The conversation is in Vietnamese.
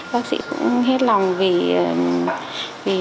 bác sĩ cũng hết lòng vì